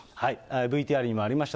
ＶＴＲにもありました、